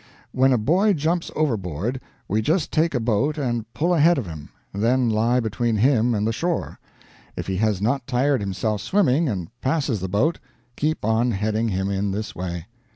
'When a boy jumps overboard we just take a boat and pull ahead of him, then lie between him and the shore. If he has not tired himself swimming, and passes the boat, keep on heading him in this way.